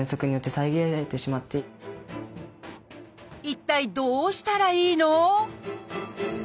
一体どうしたらいいの？